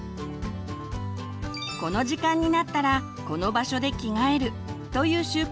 この時間になったらこの場所で着替えるという習慣